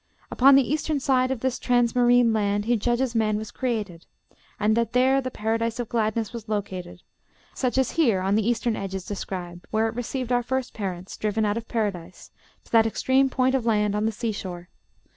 "Upon the eastern side of this transmarine land he judges man was created; and that there the paradise of gladness was located, such as here on the eastern edge is described, where it received our first parents, driven out of Paradise to that extreme point of land on the sea shore.